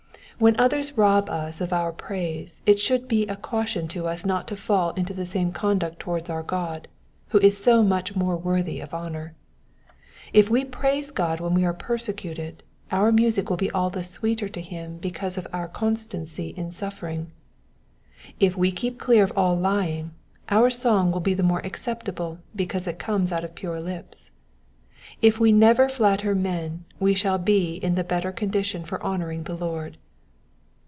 When others rob us of our praise it should be a caution to us not to fall into the same conduct towards our God, who is so much more worthy of honour. If we praise God when we are persecuted our music will be all the sweeter to him because of our constancy in suffering. If we keep clear of all lying, our song will be the more acceptable because it comes out of pure lips. If we never flatter men we shall be in the better condition for honouring the Lord.